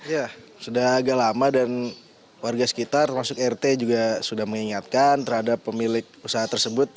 ya sudah agak lama dan warga sekitar termasuk rt juga sudah mengingatkan terhadap pemilik usaha tersebut